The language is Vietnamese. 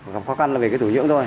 gặp khó khăn là về cái thủ nhưỡng thôi